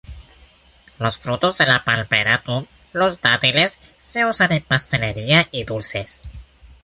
Los frutos de la palmera dum, los dátiles, se usan en pastelería y dulces.